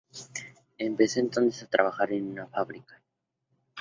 Empezó entonces a trabajar en una fábrica.